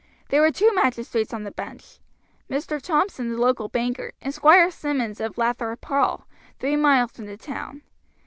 There were two magistrates on the bench. Mr. Thompson the local banker, and Squire Simmonds of Lathorpe Hall, three miles from the town.